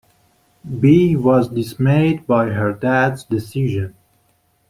Bea was dismayed by her dad’s decision.